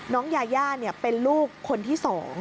น้องยาเป็นลูกคนที่๒